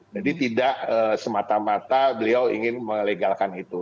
jadi tidak semata mata beliau ingin melegalkan itu